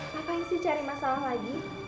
ngapain sih cari masalah lagi